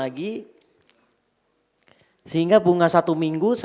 sama bulan desember baru setiap bulan ini adalah bentuknya ini adalah bentuknya